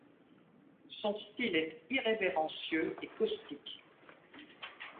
Son style est irrévérencieux et caustique.